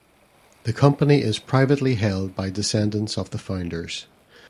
The company is privately held by descendants of the founders.